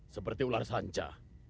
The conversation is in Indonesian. seperti ular sanca